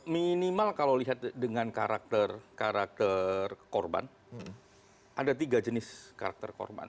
minimal kalau lihat dengan karakter korban ada tiga jenis karakter korban